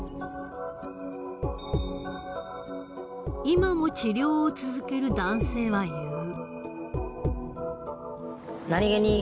今も治療を続ける男性は言う。